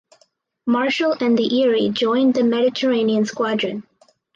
Marshall and the Erie joined the Mediterranean Squadron.